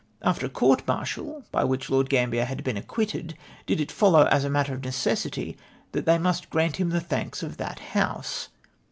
After a court martial, by which Lord Grambier had been acquitted, did it follow, as a matter of necessity that they must grant him the thanks of that House